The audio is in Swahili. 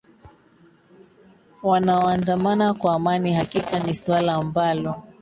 wanaoandamana kwa amani hakika ni swala ambalo